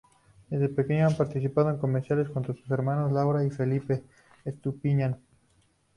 Desde pequeña ha participado en comerciales junto con sus hermanos Laura y Felipe Estupiñán.